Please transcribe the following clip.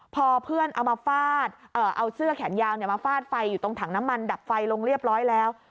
พอเพื่อนเอามาฟาดเอาเสื้อแขนยาวมาฟาดไฟอยู่ตรงถังน้ำมันดับไฟลงเรียบร้อยแล้ว